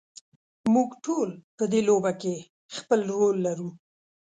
موږ ټول په دې لوبه کې خپل رول لرو.